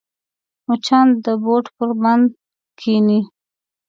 مچان د بوټ پر بند کښېني